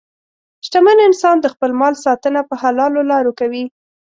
شتمن انسان د خپل مال ساتنه په حلالو لارو کوي.